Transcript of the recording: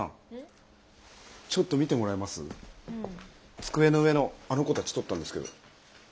机の上のあの子たち撮ったんですけど。